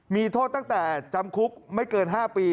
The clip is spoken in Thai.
มีโทษตั้งแต่จำคุกไม่เกิน๕ปี